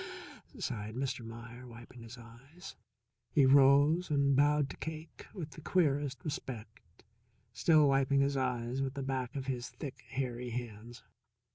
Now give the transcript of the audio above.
sighed Mr. Meier, wiping his eyes. He rose and bowed to Cake with the queerest respect, still wiping his eyes with the back of his thick, hairy hands.